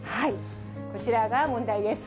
こちらが問題です。